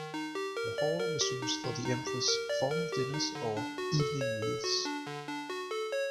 The hall was used for the empresses' formal dinners or "evening meals".